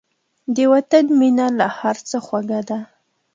د وطن مینه له هر څه خوږه ده.